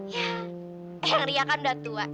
ya eyang ria kan udah tua